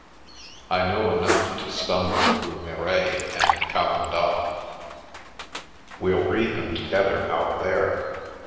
"I know enough to stumble through 'Mireille' and ' Calendal.' We'll read them together out there.